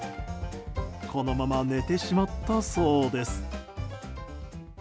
このまま寝てしまったそうです。